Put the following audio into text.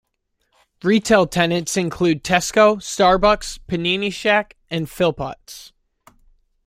Retail tenants include Tesco, Starbucks, Panini Shack and Philpotts.